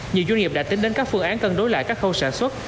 nhiều doanh nghiệp đã tính đến các phương án cân đối lại các khâu sản xuất